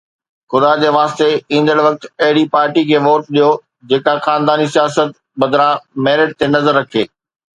خدا جي واسطي، ايندڙ وقت اهڙي پارٽي کي ووٽ ڏيو، جيڪا خانداني سياست بدران ميرٽ تي نظر رکي